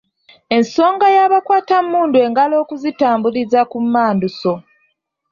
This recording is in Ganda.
Ensonga ya bakwatammundu engalo okuzitambuliza ku mmanduso